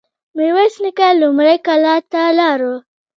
ميرويس نيکه لومړی کلات ته لاړ.